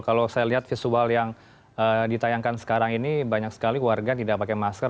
kalau saya lihat visual yang ditayangkan sekarang ini banyak sekali warga tidak pakai masker